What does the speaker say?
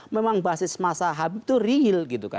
memang basis masa habib itu real gitu kan